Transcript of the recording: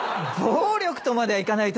暴力とまではいかない？